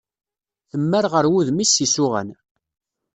Temmar ɣer wudem-is s yisuɣan.